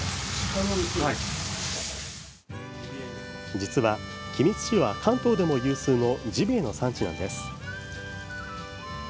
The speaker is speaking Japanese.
実は、君津市は関東でも有数のジビエの産地なんです。